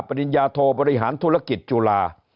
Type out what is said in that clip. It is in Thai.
ปริญญาโทบริหารธุรกิจจุฬา